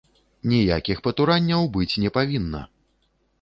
Ніякіх патуранняў быць не павінна!